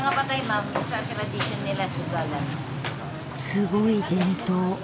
すごい伝統。